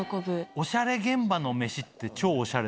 おしゃれ現場のメシって超おしゃれだもんね。